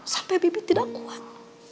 sampai bibi tidak kuat